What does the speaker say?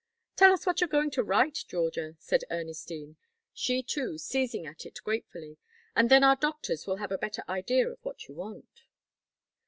"Tell us what you're going to write, Georgia," said Ernestine, she too seizing at it gratefully, "and then our doctors will have a better idea of what you want."